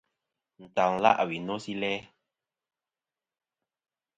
Ntal la' wi no si læ.